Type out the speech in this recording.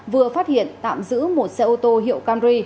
vừa phát hiện tạm giữ một xe ô tô hiệu canri